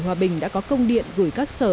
hòa bình đã có công điện gửi các sở